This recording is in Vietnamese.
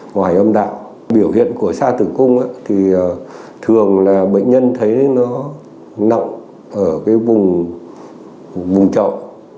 ngoài âm đạo biểu hiện của sa tử cung thì thường là bệnh nhân thấy nó nặng ở cái vùng trậu